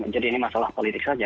jadi ini masalah politik saja